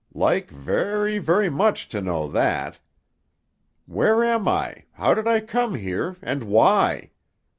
Like very, very much to know that. Where am I, how did I come here, and why?